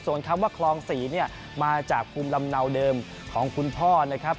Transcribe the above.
ส่วนคำว่าคลองศรีเนี่ยมาจากภูมิลำเนาเดิมของคุณพ่อนะครับ